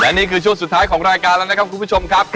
และนี่คือช่วงสุดท้ายของรายการแล้วนะครับคุณผู้ชมครับ